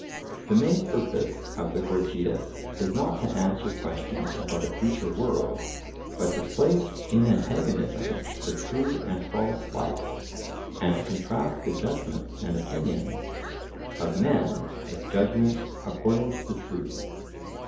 The main purpose of the Gorgias is not to answer questions about a future world, but to place in antagonism the true and false life, and to contrast the judgments and opinions of men with judgment according to the truth.